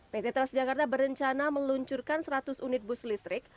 pt transjakarta berencana meluncurkan seratus unit bus listrik